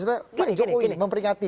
maksudnya pak jokowi memperingati